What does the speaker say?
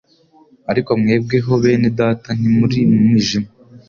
"Ariko mwebwe ho bene data, ntimuri mu mwijima,